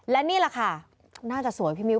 และนี่แหละค่ะน่าจะสวยพี่มิว